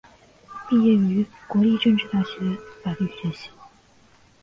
毕业于国立政治大学法律学系。